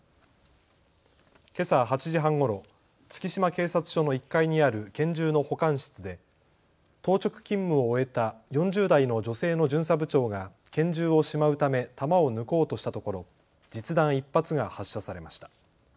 けさ８時半ごろ月島警察署の１階にある拳銃の保管室で当直勤務を終えた４０代の女性の巡査部長が拳銃をしまうため弾を抜こうとしたところ実弾１発が発射されました。